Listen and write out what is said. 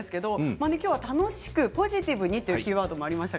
きょうは楽しくポジティブにというキーワードがありました。